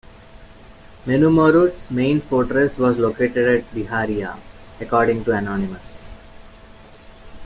Menumorut's main fortress was located at Biharia, according to Anonymus.